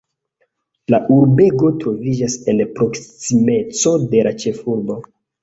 La urbego troviĝas en proksimeco de la ĉefurbo.